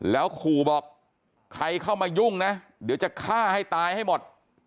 แล้วขู่บอกใครเข้ามายุ่งนะเดี๋ยวจะฆ่าให้ตายให้หมด